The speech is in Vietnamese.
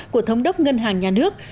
của thống đốc ngân hàng nhà nước